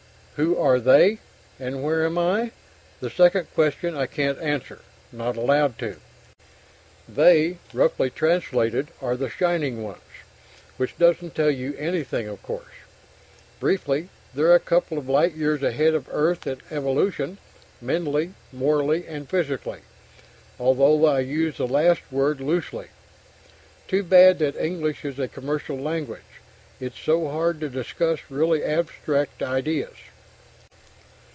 Who are "they," and where am I? The second question I can't answer not allowed to. "They," roughly translated, are "The Shining Ones," which doesn't tell you anything, of course. Briefly, they're a couple of light years ahead of Earth in evolution mentally, morally, and physically, although I use the last word loosely. Too bad that English is a commercial language, it's so hard to discuss really abstract ideas.